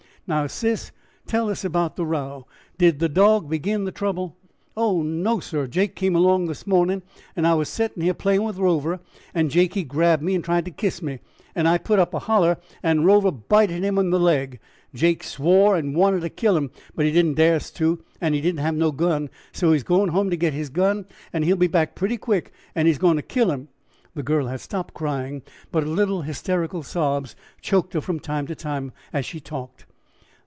"Now, sis, tell us about the row did the dog begin the trouble?" "Oh, no, sir; Jake came along this morning and I was settin' here playin' with Rover, and Jake he grabbed me and tried to kiss me, and I put up a holler and Rover bited him in the leg. Jake swore and wanted to kill him, but he didn't darst to, and he didn't have no gun; so he's gone home to get his gun and he'll be back pretty quick and he's goin' to kill him." The girl had stopped crying, but little hysterical sobs choked her from time to time as she talked.